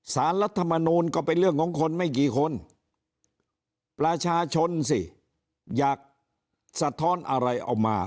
รัฐมนูลก็เป็นเรื่องของคนไม่กี่คนประชาชนสิอยากสะท้อนอะไรเอามา